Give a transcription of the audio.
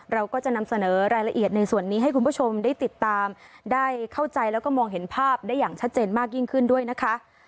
เราก็จะนำเสนอรายละเอียดในส่วนนี้ให้คุณผู้ชมได้ติดตามได้เข้าใจแล้วก็มองเห็นภาพได้อย่างชัดเจนมากยิ่งขึ้นด้วยนะคะ